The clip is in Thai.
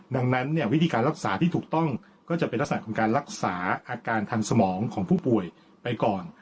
ดังนั้นเนี่ยวิธีการรักษาที่ถูกต้องก็จะเป็นลักษณะของการรักษาอาการทางสมองของผู้ป่วยไปก่อน